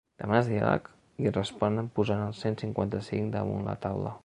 Demanes diàleg i et responen posant el cent cinquanta-cinc damunt la taula.